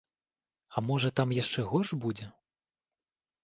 А можа, там яшчэ горш будзе?